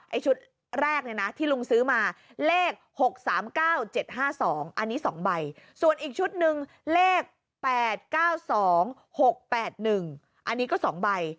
ไอ้ชุดแรกนี้นะที่ลุงซื้อมาเลข๖๓๙๗๕๒อันนี้๒ใบ